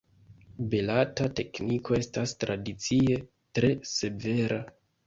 Baleta tekniko estas tradicie tre severa.